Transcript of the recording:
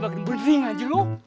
makanya bening anjir lo